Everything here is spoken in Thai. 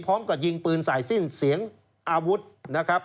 พร้อมกับยิงปืนใส่สิ้นเสียงอาวุธนะครับ